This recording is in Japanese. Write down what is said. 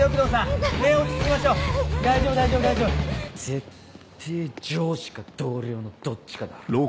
ぜってぇ上司か同僚のどっちかだろ。